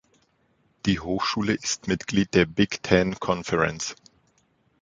Die Hochschule ist Mitglied der Big Ten Conference.